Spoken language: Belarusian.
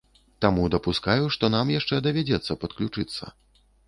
Таму дапускаю, што нам яшчэ давядзецца падключыцца.